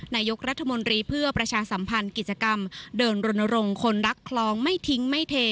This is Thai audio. นายกรัฐมนตรีเพื่อประชาสัมพันธ์กิจกรรมเดินรณรงค์คนรักคลองไม่ทิ้งไม่เท